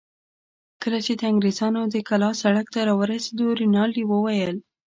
کله چې د انګرېزانو د کلا سړک ته راورسېدو، رینالډي وویل.